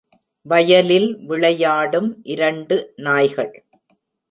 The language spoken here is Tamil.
வயலில் விளையாடும் இரண்டு நாய்கள்.